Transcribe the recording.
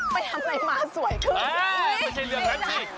ไปทำให้มาสวยขึ้นอ่าไม่ใช่เรื่องแท็กสิ